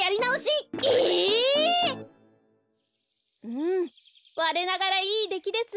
うんわれながらいいできです。